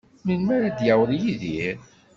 Melmi ara d-yaweḍ Yidir?